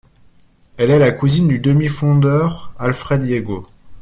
Elle est la cousine du demi-fondeur Alfred Yego.